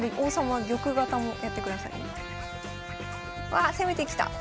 わあ攻めてきた。